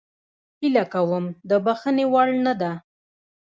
هیله کوم د بخښنې وړ نه ده